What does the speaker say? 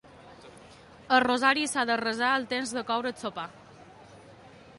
El rosari s'ha de resar el temps de coure el sopar.